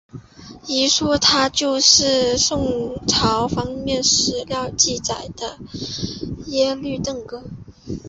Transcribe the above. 一说他就是宋朝方面史料记载的耶律郑哥。